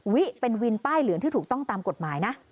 วิเป็นวินป้ายเหลืองที่ถูกต้องตามกฎหมายนะ